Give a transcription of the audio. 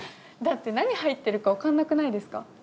だって何入ってるか分かんなくないですか？